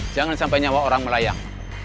jangan sampai nyawa orang melayang